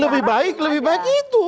lebih baik lebih baik itu